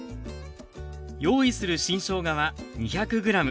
用意する新しょうがは２００ｇ。